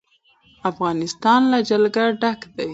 افغانستان له جلګه ډک دی.